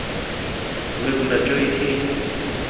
Wekunda choiki?